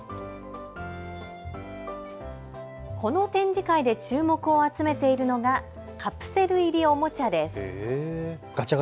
この展示会で注目を集めているのがカプセル入りおもちゃです。